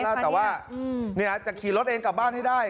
แต่ว่าจะขี่รถเองกลับบ้านให้ได้